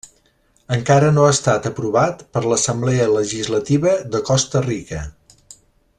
Encara no ha estat aprovat per l'Assemblea Legislativa de Costa Rica.